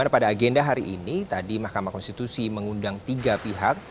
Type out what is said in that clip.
pada agenda hari ini tadi mahkamah konstitusi mengundang tiga pihak